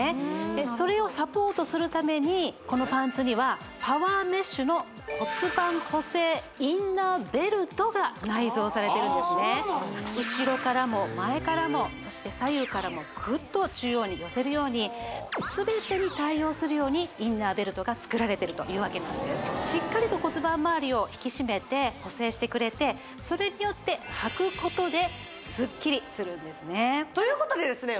でそれをサポートするためにこのパンツにはパワーメッシュの後ろからも前からもそして左右からもグッと中央に寄せるように全てに対応するようにインナーベルトが作られてるというわけなんですしっかりと骨盤周りを引き締めて補整してくれてそれによってはくことでスッキリするんですねということでですね